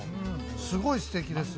すごいすてきです。